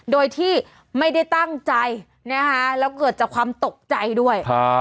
โดยที่ไม่ได้ตั้งใจนะคะแล้วเกิดจากความตกใจด้วย